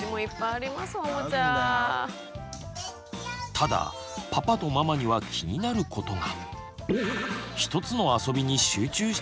ただパパとママには気になることが。